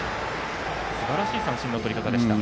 すばらしい三振のとり方でした。